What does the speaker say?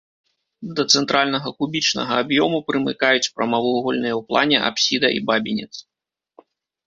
Да цэнтральнага кубічнага аб'ёму прымыкаюць прамавугольныя ў плане апсіда і бабінец.